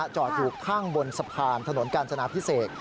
จอดอยู่ข้างบนสะพานถนนกาญจนาพิเศษ